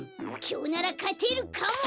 きょうならかてるかも！